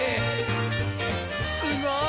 すごい。